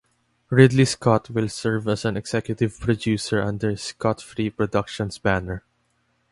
Ridley Scott will serve as an executive producer under his Scott Free Productions banner.